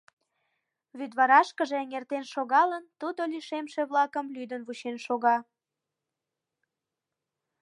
Вӱдварашкыже эҥертен шогалын, тудо лишемше-влакым лӱдын вучен шога.